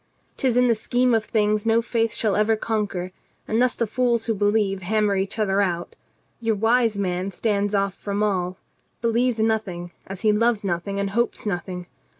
'Tis in the scheme of things no faith shall ever conquer, and thus the fools who believe hammer each other out. Your wise man stands off from all, believes nothing, as he loves nothing and hopes nothing.